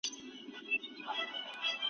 که موږ په خپل ملت کې یووالی ولرو، نو ښه به وي.